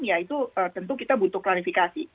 ya itu tentu kita butuh klarifikasi